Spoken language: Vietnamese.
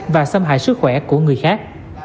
và xâm hại sức khỏe của người khác